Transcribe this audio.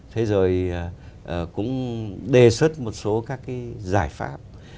thế rồi cũng đề xuất một số các cái giải pháp